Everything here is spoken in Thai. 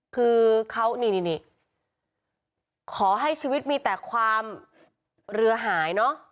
คือเขานี่นี่ขอให้ชีวิตมีแต่ความเรือหายเนอะ